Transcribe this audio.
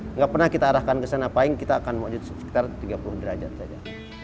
nggak pernah kita arahkan ke sana paling kita akan wujud sekitar tiga puluh derajat saja